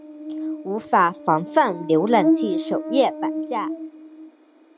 无法防范浏览器首页绑架。